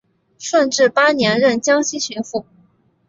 顺治八年任江西巡抚。